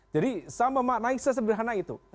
jadi sama makna seseberhana itu